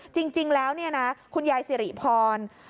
จริงแล้วเนี่ยนะคุณยายสิริพร